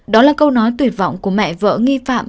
đó là câu nói tuyệt vọng của mẹ vợ nghi phạm